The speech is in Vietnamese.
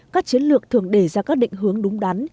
các chiến lược thường đề ra các định hướng đúng đắn